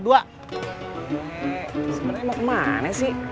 nek sebenernya mau kemana sih